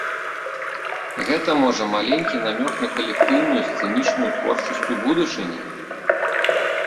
Гэта, можа, маленькі намёк на калектыўную сцэнічную творчасць у будучыні?